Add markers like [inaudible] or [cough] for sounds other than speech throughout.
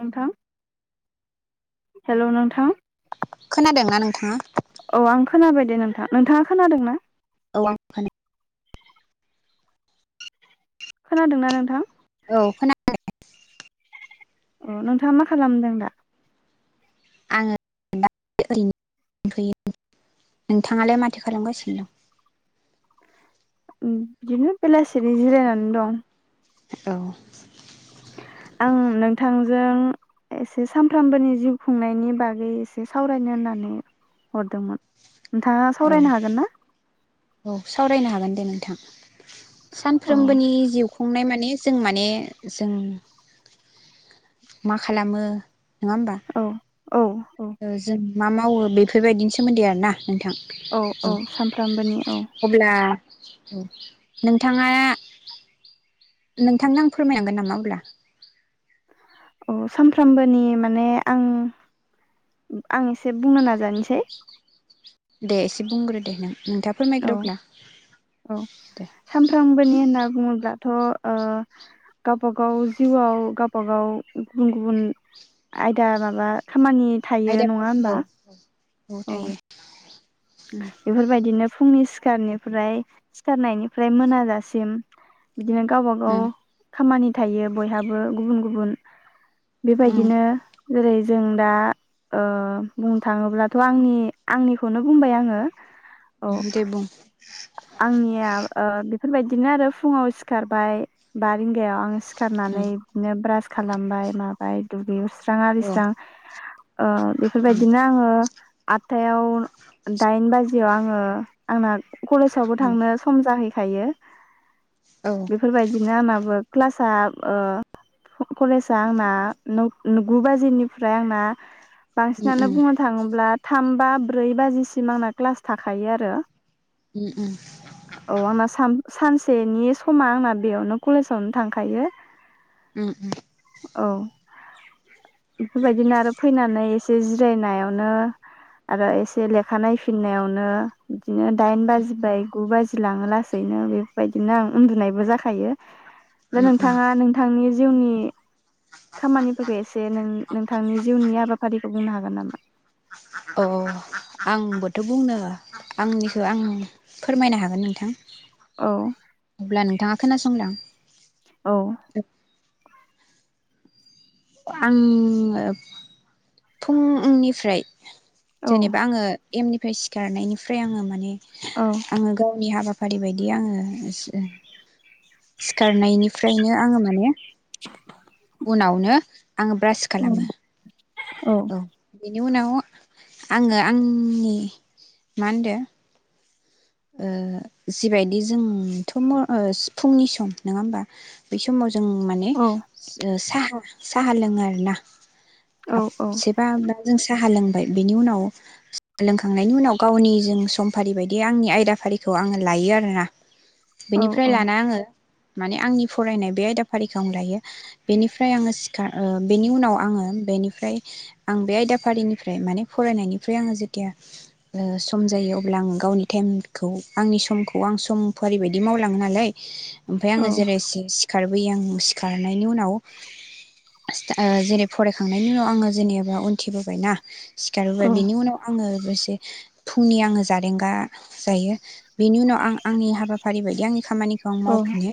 नोंथां हेल' नोंथां। खोनादोंना नोंथाङा। औ आं खोनाबाय दे नोंथां नोंथाङा खोनादों ना? औ आं खोनादों । खोनादोंना नोंथां? औ खोनादोदे। अ नोंथाङा मा खालामदों दा? आङो [unintelligible] ओरैनो दंथयो नोंथाङालाय माथो खालामगासिनो दं। बिदिनो बेलासि जिरायनानै दं। औ। आं नोंथांजों एसे सामफ्रामबोनि जिउ खुंनायनि बागै एसे सावरायनो होननानै हरदोंमोन। नोंथाङा औ सावरायनो हागोन ना औ सावरायनो हागोन दे नोंथां। अ सानफ्रोमबोनि जिउ खुंनाय मा ने जों माने जों मा खालामो नङा होमबा औ औ औ जों मा मावो बेफोर बायदिनि सोमोन्दै आरोना। नोंथां औ अब्ला। नोंथाङा नोंथांनो आं फोरमायनांगोन नामा अब्ला औ सानफ्रोमबोनि माने आं आं एसे बुंनो नाजानोसै दे एसे बुंग्रो दे नों नोंथाङा औ फोरमायग्रो अब्ला औ दे सामफ्रामबोनि होनना बुङोब्ला थ ओ गावबागाव जिउआव गावबागाव गुबुन गुबुन आयदा माबा खामानि थायो नङा आयदाफारि होमबा औ औ थायो बेफोर बायदिनो फुंनि सिखारनिफ्राय सिखारनायनिफ्राय मोनाजासिम बिदिनो गावबा गाव उम खामानि थायो बयहाबो गुबुन गुबुन बे उम बायदिनो जेरै जों दा ओह बुंनो थाङोब्लाथ आंनि आंनिखौनो बुंबाय आङो औ उम दे बुं आंनिया ओह बेफ बेफोरबायदिनो आरो फुङाव सिखारबाय बा रिंगायाव आं सिख उम सिखारनानै बिदिनो ब्रास खालामबाय माबाय दुगैयो सिफ स्रां औ आरिस्रां ओह औ बेफोरबायदिनो आङो आथथायाव दाइन बाजियाव आङो आंना कलेजावबो थांनो सम जाहै थायो अ बेफोरबायदिनो आंनाबो क्लास सा ओह कलेज आ आंना नौग-नौगु बाजिनिफ्राय आंना बांसिनानो बुंनो थाङोब्ला थाम बा ब्रै बाजिसि सिम आंना क्लास थाखायो आरो। औ आंना सान सानसेनि समा आंना बेयावनो कलेजावनो थांखायो। उम उम औ बेफोरबायदिनो आरो फैनानै एसे जिरायनायावनो आरो एसे लेख खा नाय फिननायावनो बिदिनो दाइन बाजि बाय गु बाजि लाङो लासैनो बेबायदिनो आं उन्दुनायबो जाखायो। दा नोंथाङा नोंथांनि जिउनि खामानिफोरखौ एसे नों नोंथांनि जिउनि हाबाफारिखौ बुंनो हागोन नामा? अह आंबोथ बुंनो आंनिखौ आं फोरमायनो हागोन नोंथां। औ अब्ला नोंथाङा खोनासंलां। औ। आङो फुंनिफ्राय। औ जेनेबा आङो। एम निफ्राय सिखारनायनिफ्राय आङो माने। औ आङो गावनि हाबाफ फारि बायदि आङो सिओ सिखारनायनिफ्रायनो आङो माने उनावनो आं ब्रास खालामो। औ। बेनि उनाव आङो आंनि मा होनदों। ओ जिबायदि जोंथ' फुंनि सम नङा होमबा बै समाव। जों माने औ साहा साहा लोङो आरो ना। औ खाबसेबा [unintelligible] जों साहा लोंबाय बेनि उनाव साह लोंखांनायनि उनाव गावनि जों समफारि बायदि आंनि आइ बे हाबाफारिखौ आङो लायो आरोना। बेनिफ्राय औ लाना आङो। माने आंनि फरायनाय बे आयदाफारिखौ आं लायो बेनिफ्राय आङो था ओ बेनि उनाव आङो बेनिफ्राय आं बे आयदाफारिनिफ्राय माने फरायनायनिफ्राय आङो जेथिया ओ सम जायो अब्ला आं गावनि टाइम। खौ आंनि समखौ आं सम फारिबायदि मावलाङो नालाय। ओमफ्राय औ आङो जेरै सि-सिखार बै आं सिखारनायनि उनाव ओ जेरै फरायखांनायनि उनाव आङो जेनेबा उनथिबोबायना। सिखारबोबाय बेनि उनाव आङो दसे। फुंनि आङो जारेंगा। जायो। बेनि उनाव आं आंनि हाबाफारि बायदि आंनि खामानिखौ आं औ मावफिनो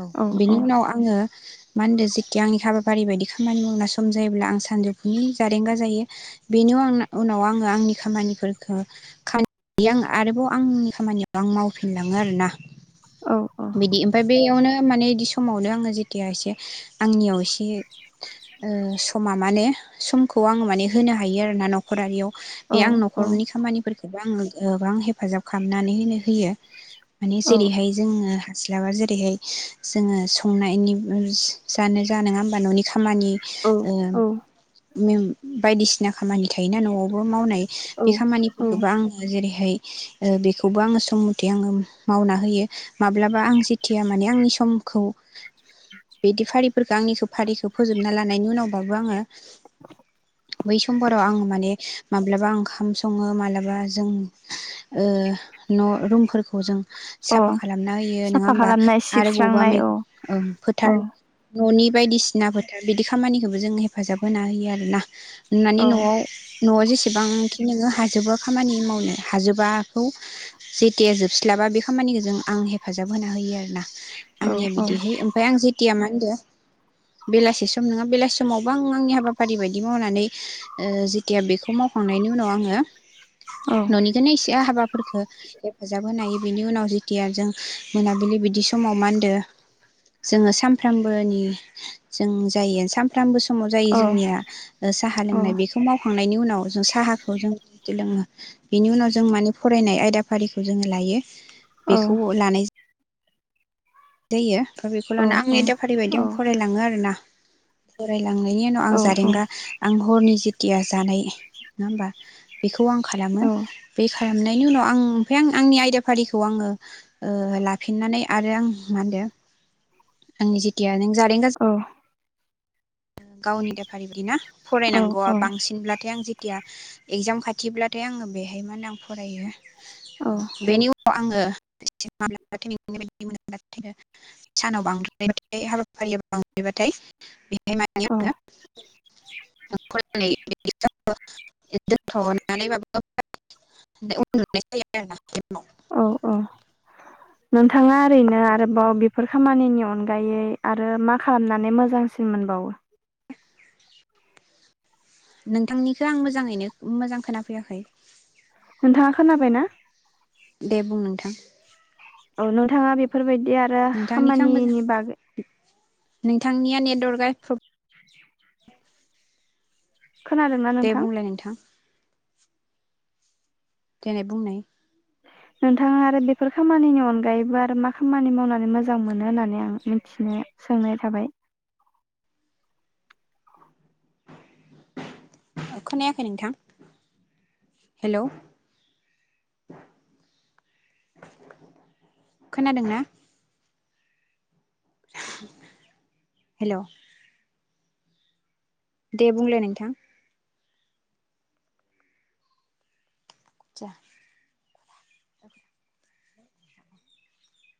औ बेनि उनाव आङो मा होनदों जेथिया आंनि हाबाफारि बायदि खामानि मावना सम जायोब्ला आं सानजौफुनि जारेंगा जायो बेनि आं उनाव आङो आंनि खामानिफोरखौ खायो आङो आरोबाव आंनि खामानियाव आं मावफिनलाङो आरोना। बिदि ओमफाय बेयावनो माने इदि समावनो आङो जेथिया एसे आंनियाव ए बे ओ समा माने। समखौ आङो माने होनो हायो आरो ना नखरारियाव। बे आं नखरनि खामानिफोरखौ। आं [inaudible] गोबां हेफाजाब खालामनानै होनो होयो। माने जेरैहाय जोङो। हास्लाबा जेरैहाय जोङो संनायनि। जेयानो जा नङा होमबा न'नि खामानि। बायदिसिना खामानि थायोना न'आवबो मावनाय। औ बे खामानिफोरखौबो आङो जेरै। बेखौबो आङो सम मथे आङो मावना होयो माब्लाबा आं जेथिया माने आंनि समखौ बिदि फारिफोरखौ आंनिखौ फारिखौ फोजोबना लानायनि उनावबाबो आङो। [inaudible] बै समफोराव आं माने माब्लाबा ओंखाम सङो माब्लाबा जों। ओ न' रुमफोरखौ जों। औ साफा खालामना होयो नङा साफा होमबा खालामनाय आरो सिबस्रांनाय बुवाबा औ [inaudible] औ न'नि बायदिसिना फोथार बिदि खामानिखोबो जों हेफाजाब होना होयो आरो ना । नुनानै नआव न'आव जेसे एसेबां खिनिखो हाजोबो खामानि मावनो हाजोबाखौ जेथिया जोबस्लाबा बे खामानिखौ जों आं हेफाजाब होना होयो आरोना । औ आंनिया औ बिदिहै ओमफ्राय आं जिथिया दो बेलासि सम नङा बेलासि समावबो आं आंनि हाबाफारि बायदि मावनानै ओ जि थिया बेखौ मावखांनायनि उनाव आङो औ ननिखौनो एसे हाबाफोरफोरखो हेफाजाब होनो हायो बेनि उनाव जि थिया जों मोनाबिलि बिदि समाव मा होनदो जोङो सानफ्रोमबोनि जों जायो सानफ्रोमबो समाव औ जायो जोंनिया साहा लोंनाय बेखौ मावखांनायनि उनाव जों साहाखौ जों लोङो । [inaudible] बिनि उनाव जों माने फरायनाय आयदा फारिखौ जोङो लायो । औ बेखौ लानाय जायो । ओमफ्राय बेखौ औ लानानानै औ आंनि आयदाफारि औ बायदि आं फरायलाङो आरोना फराय लांनायनि उनाव आं औ जारेंगा आं हरनि जिथिया जानाय नङा होमबा बेखौ खौ आं खालामो बे खालामनायनि उनाव आं ओमफ्राय आं आंनि आयदाफारिखौ आङो लाफिननानै आरो आं मा होनदो आंनि जिथिया नों जारेंगा औ गावनि बेफारि बादिना फरायनांगौआ औ बांसिनब्लाथाय आं जेथिया एगजाम खाथिब्लाथाय आङो बेहाय मा होनो आं फरायो बेनि उन आंयो सानाव बांद्रायायबथाय हाबाफारिया बांद्रायबाथाय बेहाय [unintelligible] [unintelligible] [unintelligible] दोनथनानैबाबो उन्दुनाय जायो आरो ना बेनि उनाव [unintelligible] औ औ नों बिथाङा ओरैनो आरोबाव बेफोर खामानिनि अन अनगायै आरो मा खालामनानै मोजांसिन मोनबावो नोंथांनिखौ आं मोजाङैनो मोजां खोनाफैयाखै। नोंथाङा खोनाबाय ना? दे बुं नोंथां। औ नोंथाङा बेफोरबायदि बिदि आरो नोंथांनिखौ आं मोजां खामानिनि बागै नोंथांनिया नेदवर्कआ प्र [inaudible] खोनादोंना दे नोंथां? बुंलाय नोंथां देनाय बुंनाय। नोंथाङा आरो बेफोर खामानिनि अनगायैबो आरो मा खामानि मावनानै मोजां मोनो होननानै आं मिथिनाय सोंनाय थाबाय। खोनायाखै नोंथां हेल' खोनादों ना? हेल'। दे बुंलाय नोंथां। जा